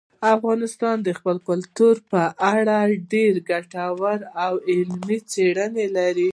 افغانستان د خپل کلتور په اړه ډېرې ګټورې او علمي څېړنې لري.